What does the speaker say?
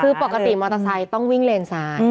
คือปกติมอเตอร์ไซค์ต้องวิ่งเลนซ้าย